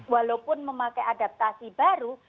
walaupun memakai adaptasi baru